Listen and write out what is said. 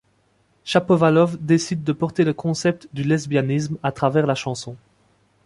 Chapovalov décide de porter le concept du lesbianisme à travers la chanson.